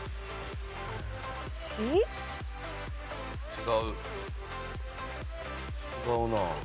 違う違うなあ。